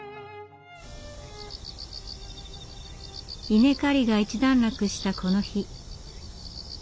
稲刈りが一段落したこの日。